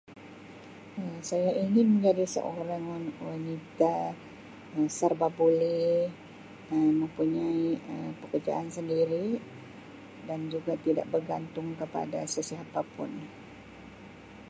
Saya ingin menjadi seorang wanita yang serba boleh yang mempunyai Um pekerjaan sendiri dan juga tidak bergantung kepada sesiapa pun.